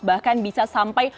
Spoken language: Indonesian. bahkan bisa sampai